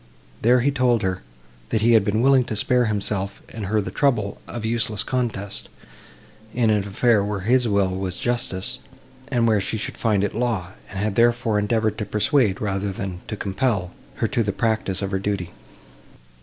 There he told her, that he had been willing to spare himself and her the trouble of useless contest, in an affair, where his will was justice, and where she should find it law; and had, therefore, endeavoured to persuade, rather than to compel, her to the practice of her duty.